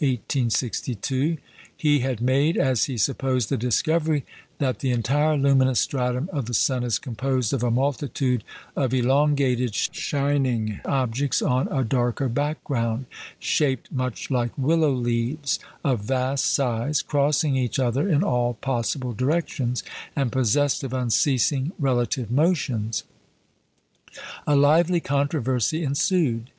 He had made (as he supposed) the discovery that the entire luminous stratum of the sun is composed of a multitude of elongated shining objects on a darker background, shaped much like willow leaves, of vast size, crossing each other in all possible directions, and possessed of unceasing relative motions. A lively controversy ensued.